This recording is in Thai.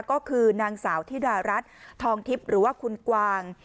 ก็คือนางสาวธิดารัฐทองทิพย์หรือว่าคุณกวาง